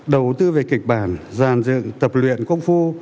đầu tư về kịch bản giàn dựng tập luyện công phu